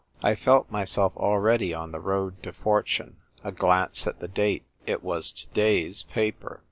I felt myself already on the road to fortune. A glance at the date : it was to day's paper